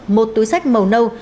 một túi sách màu nâu